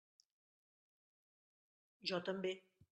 Jo també.